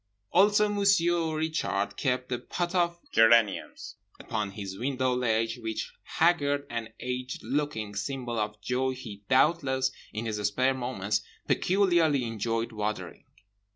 Also Monsieur Richard kept a pot of geraniums upon his window ledge, which haggard and aged looking symbol of joy he doubtless (in his spare moments) peculiarly enjoyed watering.